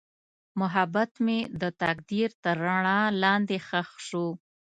محبت مې د تقدیر تر رڼا لاندې ښخ شو.